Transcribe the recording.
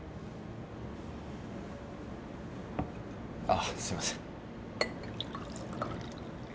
あっすいません。